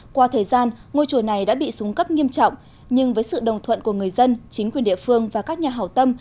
qua thời gian ngôi chùa này đã bị súng cấp nghiêm trọng nhưng với sự đồng thuận của người dân chính quyền địa phương và các nhà hảo tâm